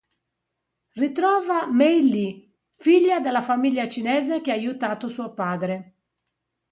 Ritrova Mei Li, figlia della famiglia cinese che ha aiutato suo padre.